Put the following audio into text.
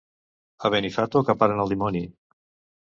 A Benifato caparen el dimoni.